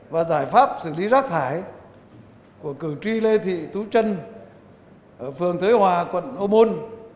và giải pháp xử lý rác thải của cử tri lê thị tú trân ở phường thế hòa quận ô môn